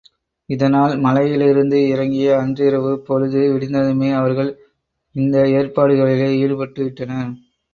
இதனால் மலையிலிருந்து இறங்கிய அன்றிரவு, பொழுது விடிந்ததுமே அவர்கள் இந்த ஏற்பாடுகளிலே ஈடுபட்டு விட்டனர்.